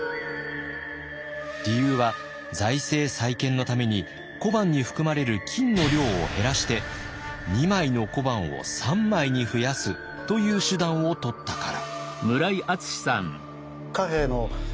理由は財政再建のために小判に含まれる金の量を減らして２枚の小判を３枚に増やすという手段をとったから。